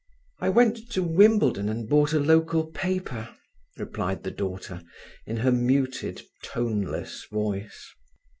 "I went to Wimbledon and bought a local paper," replied the daughter, in her muted, toneless voice.